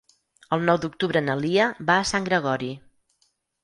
El nou d'octubre na Lia va a Sant Gregori.